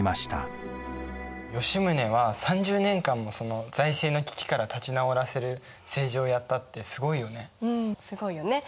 吉宗は３０年間も財政の危機から立ち直らせる政治をやったってすごいよね。